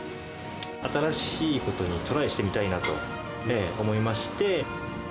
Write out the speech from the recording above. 新しいことにトライしてみたいなと思いまして。